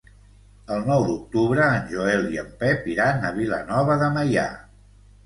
El nou d'octubre en Joel i en Pep iran a Vilanova de Meià.